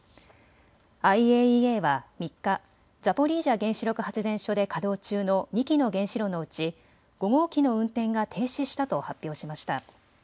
ＩＡＥＡは３日、ザポリージャ原子力発電所で稼働中の２基の原子炉のうち５号機の運転が停止したと発表しました。